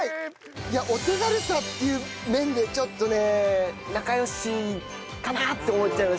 いやお手軽さっていう面でちょっとねなかよしかなって思っちゃいましたね。